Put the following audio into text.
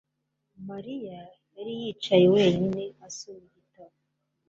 Mariya yari yicaye wenyine, asoma igitabo.